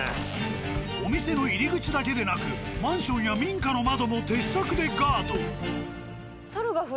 お店の入り口だけでなくマンションや民家の窓も鉄柵でガード。